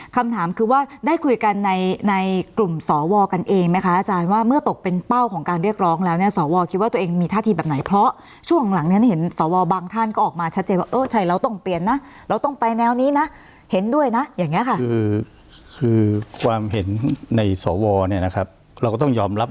คำถามคือว่าได้คุยกันในในกลุ่มสวกันเองไหมคะอาจารย์ว่าเมื่อตกเป็นเป้าของการเรียกร้องแล้วเนี่ยสวคิดว่าตัวเองมีท่าทีแบบไหนเพราะช่วงหลังนั้นเห็นสวบางท่านก็ออกมาชัดเจนว่าเออใช่เราต้องเปลี่ยนนะเราต้องไปแนวนี้นะเห็นด้วยนะอย่างนี้ค่ะคือคือความเห็นในสวเนี่ยนะครับเราก็ต้องยอมรับ